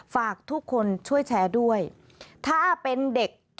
ฝากทุกคนช่วยแชร์ด้วยถ้าเป็นเด็ก